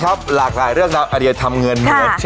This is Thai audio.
กับรายการที่จะเปิดเคล็ดลับการทำเงินใหม่